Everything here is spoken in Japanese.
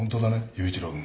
裕一郎君。